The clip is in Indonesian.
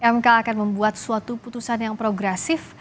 mk akan membuat suatu putusan yang progresif